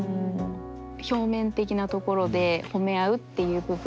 表面的なところで褒め合うっていう部分は。